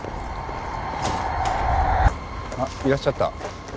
あっいらっしゃった。